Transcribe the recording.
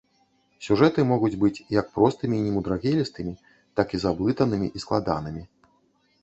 Сюжэты могуць быць як простымі і немудрагелістымі, так і заблытанымі і складанымі.